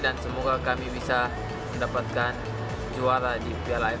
dan semoga kami bisa mendapatkan juara di piala aff ini